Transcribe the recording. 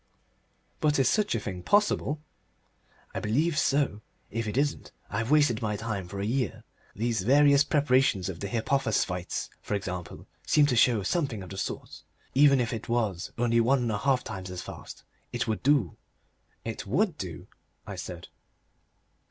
"But is such a thing possible?" "I believe so. If it isn't, I've wasted my time for a year. These various preparations of the hypophosphites, for example, seem to show that something of the sort... Even if it was only one and a half times as fast it would do." "It WOULD do," I said.